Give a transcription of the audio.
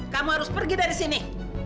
kamu harus pergi dari sini